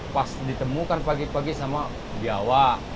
pas ditemukan pagi pagi sama biawak